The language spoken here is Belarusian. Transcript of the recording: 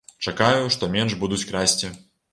Чакаю, што менш будуць красці.